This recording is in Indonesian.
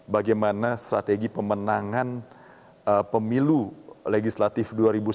bagaimana strategi pemenangan pemilu legislatif dua ribu sembilan belas